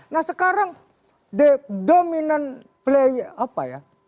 nah sekarang the dominant player apa ya